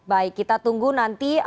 baik kita tunggu nanti